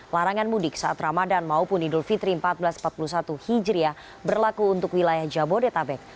larangan mudik saat ramadan maupun idul fitri seribu empat ratus empat puluh satu hijriah berlaku untuk wilayah jabodetabek